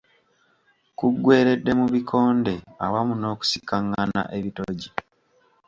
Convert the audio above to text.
Kuggweeredde mu bikonde awamu n’okusikangana ebitogi.